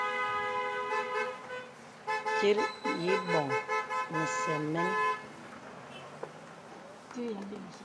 Tit yə îbɔ̀ŋ mə̄zɛ̄ mēn.